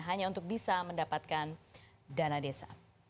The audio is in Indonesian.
hanya untuk bisa mendapatkan dana desa